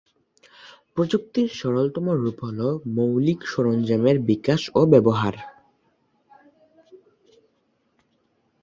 প্রযুক্তির সরলতম রূপ হল মৌলিক সরঞ্জামের বিকাশ ও ব্যবহার।